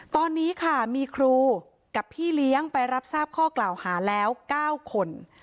ตอนนี้ค่ะมีครูกับพี่เลี้ยงไปรับทราบข้อกล่าวหาแล้ว๙คน